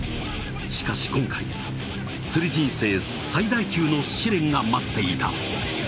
しかし今回釣り人生最大級の試練が待っていた！